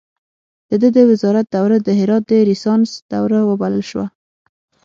د ده د وزارت دوره د هرات د ریسانس دوره وبلل شوه.